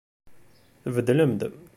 Tbeddlem-d.